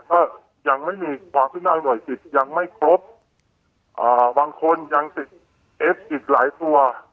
ก็ยังไม่มีความขึ้นในหน่วยสิทธิ์ยังไม่ครบอ่าบางคนยังสิทธิ์เอ็ดอีกหลายตัว